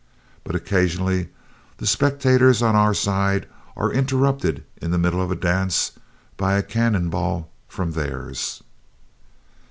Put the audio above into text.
But occasionally the spectators on our side are interrupted in the middle of a dance by a cannon ball, from theirs."